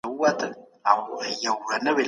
بشري وضعي قوانین نیمګړي دي.